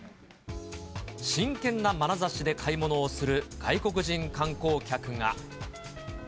真剣なまなざしで買い物をする外国人観光客が。